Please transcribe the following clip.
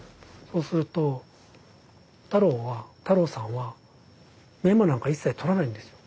そうすると太郎さんはメモなんか一切取らないんですよ。